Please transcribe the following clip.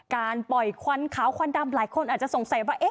การปล่อยควันขาวควันดำหลายคนอาจจะสงสัยว่า